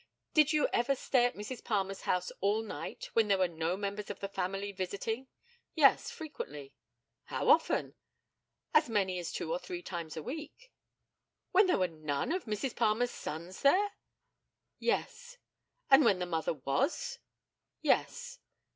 Did you ever stay at Mrs. Palmer's house all night when there were no members of the family visiting? Yes, frequently. How often? As many as two or three times a week. When there were none of Mrs. Palmer's sons there? Yes. And when the mother was? Yes.